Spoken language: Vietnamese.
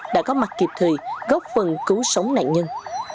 đã có mặt kịp thời góp phần cứu sống nạn nhân